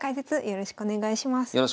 よろしくお願いします。